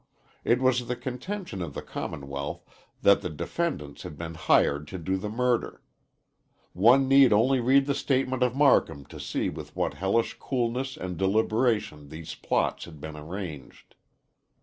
It was the contention of the Commonwealth that the defendants had been hired to do the murder. One need only read the statement of Marcum to see with what hellish coolness and deliberation these plots had been arranged.